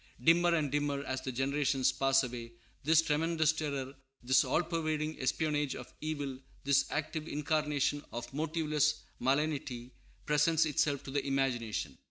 Dimmer and dimmer, as the generations pass away, this tremendous terror, this all pervading espionage of evil, this active incarnation of motiveless malignity, presents itself to the imagination.